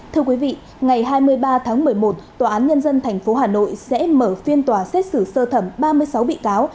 thưa quý vị ngày hai mươi ba tháng một mươi một tòa án nhân dân tp hà nội sẽ mở phiên tòa xét xử sơ thẩm ba mươi sáu bị cáo